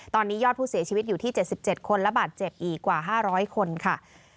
ตอนนี้ยอดผู้เสียชีวิตอยู่ที่๗๗คนและบาดเจ็บอีกกว่า๕๐๐คนค่ะ